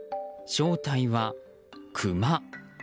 正体はクマ。